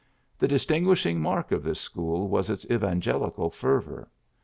The distinguishing mark of this school was its evangelical fervor.